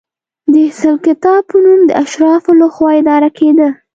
د سلکتا په نوم د اشرافو له خوا اداره کېده.